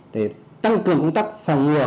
để tăng cường công tác phòng ngừa